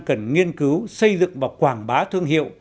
cần nghiên cứu xây dựng và quảng bá thương hiệu